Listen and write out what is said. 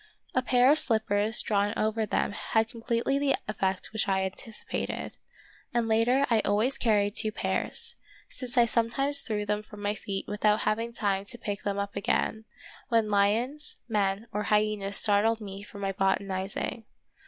A pair of slippers drawn over them had completely the effect which I anticipated, and later I always carried two pairs, since I sometimes threw them from my feet without having time to pick them up again, when lions, men, or hyenas startled me from my botanizing.